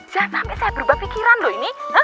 jangan sampai saya berubah pikiran loh ini